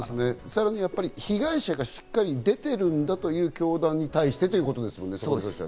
さらに被害者がしっかり出てるんだということ、教団に対してということですね。